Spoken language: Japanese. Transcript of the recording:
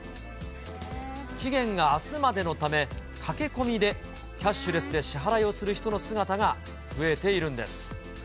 期限があすまでのため、駆け込みでキャッシュレスで支払いをする人の姿が増えているんです。